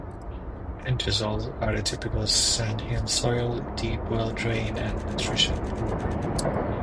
Entisols are the typical sandhill soil, deep well-drained and nutrient poor.